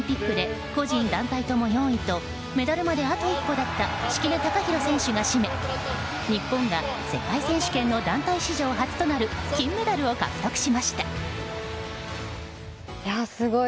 最後は、東京オリンピックで個人、団体とも４位とメダルまであと一歩だった敷根崇裕選手が締め日本が世界選手権の団体史上初となるすごい。